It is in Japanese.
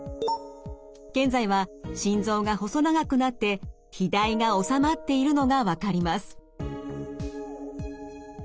現在は心臓が細長くなって肥大がおさまっているのが分かります。